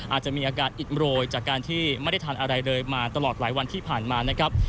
อาจจะมีอาการอิดโรยจากการที่ไม่ได้ทานอะไรเลยมาตลอดหลายวันที่ผ่านมานะครับ